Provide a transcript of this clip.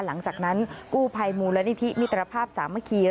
หลังจากนั้นกู้ภัยมูลนิธิมิตรภาพสามัคคี